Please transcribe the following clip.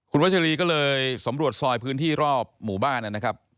วัชรีก็เลยสำรวจซอยพื้นที่รอบหมู่บ้านนะครับ